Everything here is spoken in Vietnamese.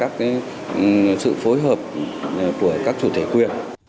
phối hợp của các chủ thể quyền